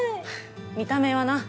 見た目はな。